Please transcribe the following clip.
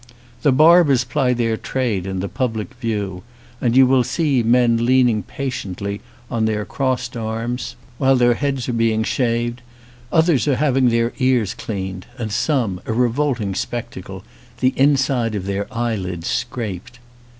The bar bers ply their trade in the public view and you will see men leaning patiently on their crossed arms 232 A CITY BUILT ON A BOCK while their heads are being shaved ; others are hav ing their ears cleaned, and some, a revolting spec tacle, the inside of their eyelids scraped.